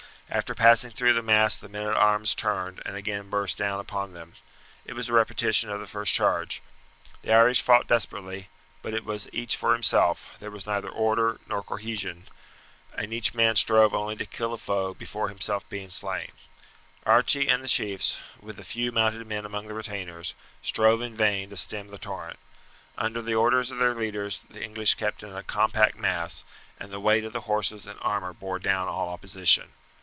After passing through the mass the men at arms turned and again burst down upon them. It was a repetition of the first charge. The Irish fought desperately, but it was each for himself; there was neither order nor cohesion, and each man strove only to kill a foe before being himself slain. Archie and the chiefs, with the few mounted men among the retainers, strove in vain to stem the torrent. Under the orders of their leaders the English kept in a compact mass, and the weight of the horses and armour bore down all opposition.